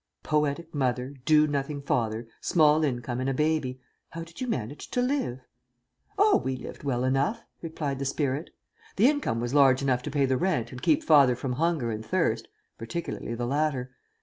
Poetic mother, do nothing father, small income and a baby. How did you manage to live?" "Oh, we lived well enough," replied the spirit. "The income was large enough to pay the rent and keep father from hunger and thirst particularly the latter.